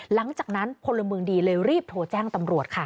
หลังจากนั้นพลเมืองดีเลยรีบโทรแจ้งตำรวจค่ะ